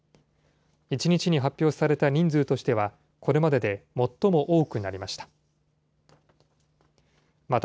１日に発表された人数としては、これまでで最も多くなりました。